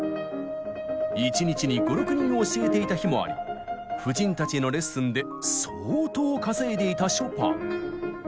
１日に５６人を教えていた日もあり婦人たちへのレッスンで相当稼いでいたショパン。